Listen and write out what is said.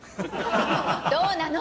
どうなの？